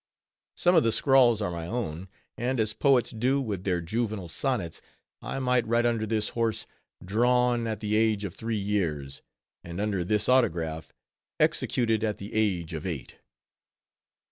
Some of the scrawls are my own; and as poets do with their juvenile sonnets, I might write under this horse, "Drawn at the age of three years," and under this autograph, _"Executed at the age of eight."